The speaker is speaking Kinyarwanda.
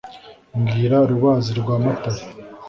mbwira rubazi rwa matare